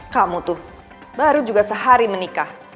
kamu tuh baru juga sehari menikah